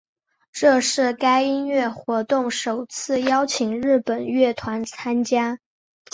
这是该音乐活动首次邀请日本乐团参加。